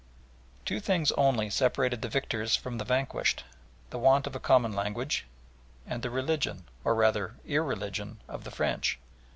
Two things only separated the victors from the vanquished, the want of a common language and the religion, or rather irreligion, of the French.